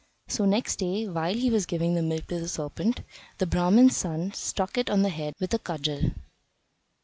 So next day, while he was giving the milk to the serpent, the Brahman's son struck it on the head with a cudgel.